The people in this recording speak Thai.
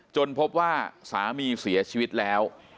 พบว่าสามีเสียชีวิตแล้ว